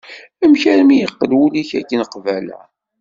Amek armi yeqqel wul-ik akken qbala?